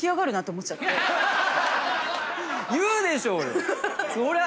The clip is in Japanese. そりゃ言うでしょうよ！